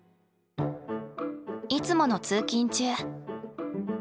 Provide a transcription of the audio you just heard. いつもの通勤中。